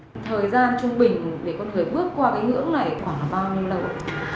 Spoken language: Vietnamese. thời gian trung bình để con người bước qua cái ngưỡng này khoảng bao nhiêu lâu